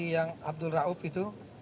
yang abdul ra'ub itu